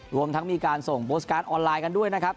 รวมทั้งมีการส่งออนไลน์ด้วยนะครับ